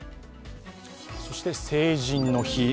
そして成人の日。